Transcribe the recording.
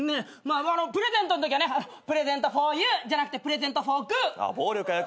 プレゼントのときは「プレゼントフォーユー」じゃなくて「プレゼントフォーグッ」暴力はよくないね。